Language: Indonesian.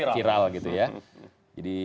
viral gitu ya